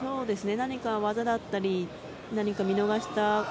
何か技だったり見逃したり。